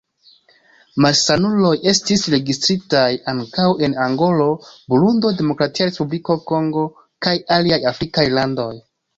Malsanuloj estis registritaj ankaŭ en Angolo, Burundo, Demokratia Respubliko Kongo kaj aliaj afrikaj landoj.